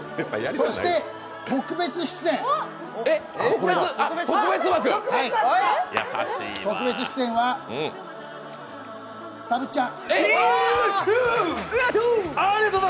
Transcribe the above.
そして特別出演はたぶっちゃん。